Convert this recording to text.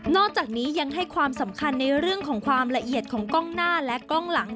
อกจากนี้ยังให้ความสำคัญในเรื่องของความละเอียดของกล้องหน้าและกล้องหลัง